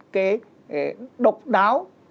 cái độc đáo